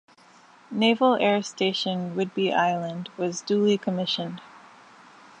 Naval Air Station Whidbey Island was duly commissioned.